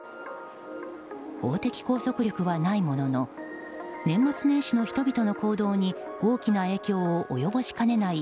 法的拘束力はないものの年末年始の人々の行動に大きな影響を及ぼしかねない